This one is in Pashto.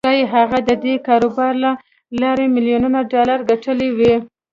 ښايي هغه د دې کاروبار له لارې ميليونونه ډالر ګټلي وي.